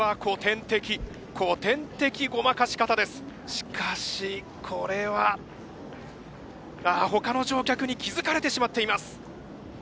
しかしこれは。あっほかの乗客に気づかれてしまっています。